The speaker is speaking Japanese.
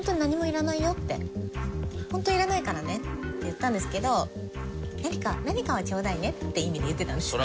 「ホントいらないからね」って言ったんですけど「何かはちょうだいね」って意味で言ってたんですよ。